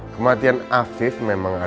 kematian afif memang ada yang aneh